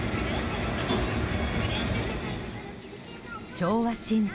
昭和新山。